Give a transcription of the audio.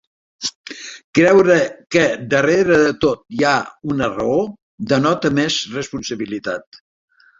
Creure que darrere de tot hi ha una raó, denota més responsabilitat.